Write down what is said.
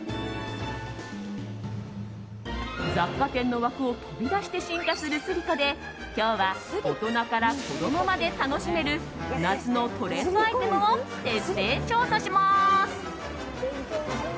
雑貨店の枠を飛び出して進化するスリコで今日は、大人から子供まで楽しめる夏のトレンドアイテムを徹底調査します。